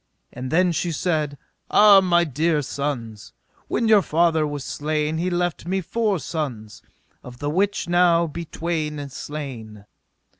And then she said: Ah, my dear sons, when your father was slain he left me four sons, of the which now be twain slain.